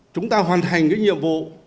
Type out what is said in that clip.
chúng ta hoàn thành nhiệm vụ